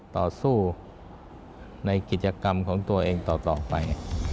ต่อสู้ในกิจกรรมของตัวเองต่อไป